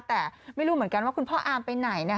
แต่ไม่รู้เหมือนกันว่าคุณพ่ออาร์มไปไหน